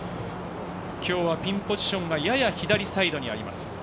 今日はピンポジションがやや左サイドにあります。